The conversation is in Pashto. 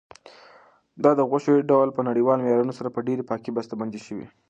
دا د غوښې ډول په نړیوالو معیارونو سره په ډېرې پاکۍ بسته بندي شوی.